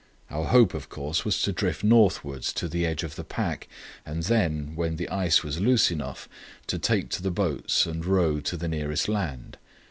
Our hope, of course, was to drift northwards to the edge of the pack and then, when the ice was loose enough, to take to the boats and row to the nearest land.